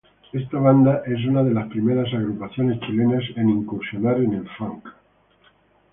Esta banda es una de las primeras agrupaciones chilenas en incursionar en el funk.